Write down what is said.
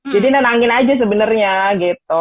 jadi nenangin aja sebenarnya gitu